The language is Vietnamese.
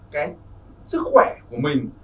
cái sức khỏe của mình